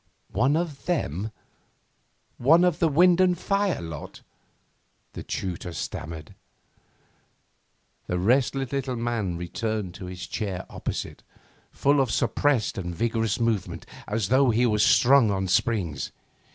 'One of them? One of the wind and fire lot?' the tutor stammered. The restless little man returned to his chair opposite, full of suppressed and vigorous movement, as though he were strung on springs.